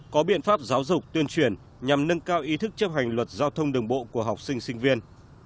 có biện pháp giáo dục tuyên truyền nhằm nâng cao ý thức chấp hành luật giao thông đường bộ của học sinh sinh viên